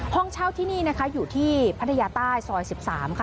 ห้องเช่าที่นี่นะคะอยู่ที่พัทยาใต้ซอย๑๓ค่ะ